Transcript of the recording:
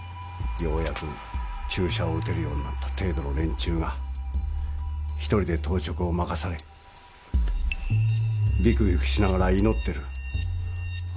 ようやく注射を打てるようになった程度の連中が一人で当直を任されビクビクしながら祈ってるあ